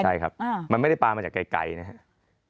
ใช่ครับมันไม่ได้ปลามาจากไกลนะครับ